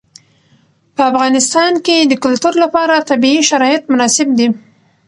په افغانستان کې د کلتور لپاره طبیعي شرایط مناسب دي.